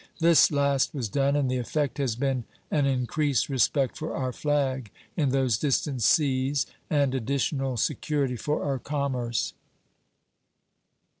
This last was done, and the effect has been an increased respect for our flag in those distant seas and additional security for our commerce.